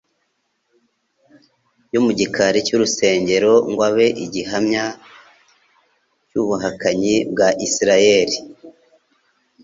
yo mu gikari cy'urusengero ngo abe igihamya cy'ubuhakanyi bwa Isiraeli.